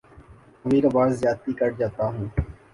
کبھی کبھار زیادتی کر جاتا ہوں